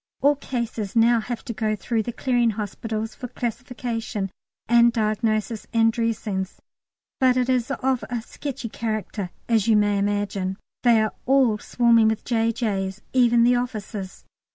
All cases now have to go through the Clearing Hospitals for classification and diagnosis and dressings, but it is of a sketchy character, as you may imagine. They are all swarming with J.J.'s, even the officers.